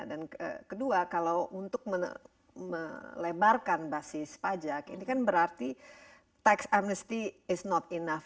dan kedua kalau untuk melebarkan basis pajak ini kan berarti tax amnesty is not enough